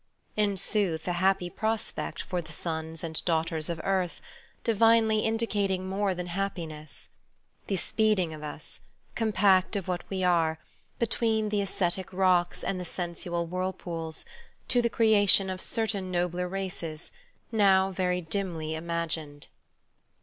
In sooth, a happy prospect for the sons and daughters of Earth, divinely indicating more than happiness : the speeding of us, compact of what we are, between the ascetic rocks and the sensual whirlpools, to the creation of certain nobler races, now very dimly imagined.